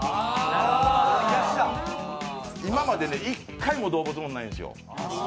今まで一回も動物ものないんですよ。